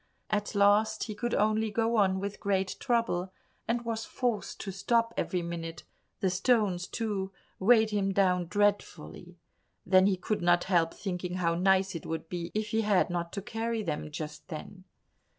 At last he could only go on with great trouble, and was forced to stop every minute; the stones, too, weighed him down dreadfully. Then he could not help thinking how nice it would be if he had not to carry them just then.